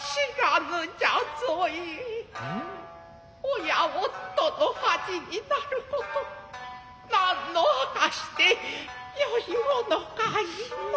親夫の恥になること何のあかしてよいものかいナ。